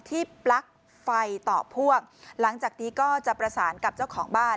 ปลั๊กไฟต่อพ่วงหลังจากนี้ก็จะประสานกับเจ้าของบ้าน